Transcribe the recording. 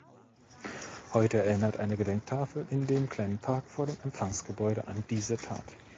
Heute erinnert eine Gedenktafel in dem kleinen Park vor dem Empfangsgebäude an diese Tat.